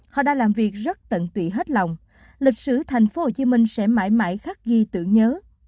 họ đã làm việc rất tận tụy hết lòng lịch sử thành phố hồ chí minh sẽ mãi mãi khắc ghi tưởng nhớ